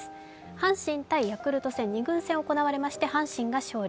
阪神対ヤクルト戦、２軍戦行われまして、阪神が勝利。